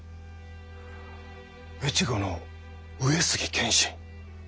越後の上杉謙信。